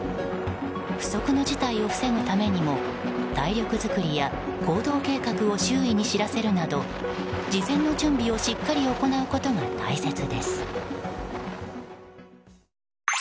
不測の事態を防ぐためにも体力作りや行動計画を周囲に知らせるなど事前の準備をしっかり行うことが大切です。